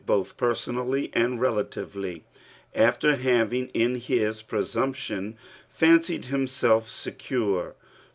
bo& peraonallu and relalivdy, after having, in his presumption, fancied himsdf secure.